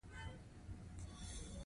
د الوویرا پاڼې د څه لپاره وکاروم؟